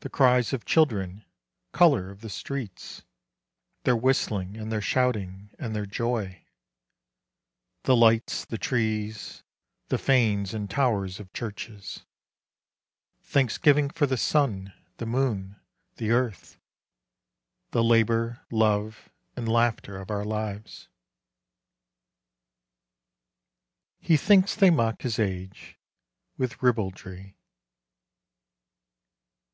The cries of children, colour of the streets, Their whistling and their shouting and their joy, The lights, the trees, the fanes and towers of churches, Thanksgiving for the sun, the moon, the earth, The labour, love, and laughter of our lives. *#* He thinks they mock his age with ribaldry.